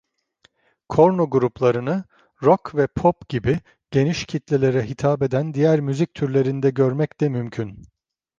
Korno gruplarını Rock ve pop gibi geniş kitlelere hitap eden diğer müzik türlerinde görmek de mümkün.